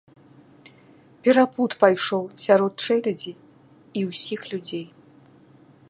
Перапуд пайшоў сярод чэлядзі і ўсіх людзей.